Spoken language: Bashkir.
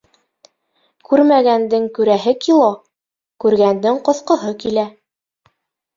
Күрмәгәндең күрәһе кило, күргәндең ҡоҫҡоһо килә.